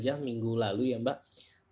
baru saja minggu lalu saya pernah ke bandung